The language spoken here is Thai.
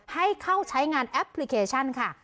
ให้เข้าใช้งานแอปพลิเคชันค่ะ